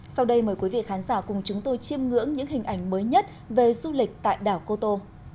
sau đây mời quý vị khán giả cùng chúng tôi chiêm ngưỡng những hình ảnh mới nhất về du lịch tại đảo cô tô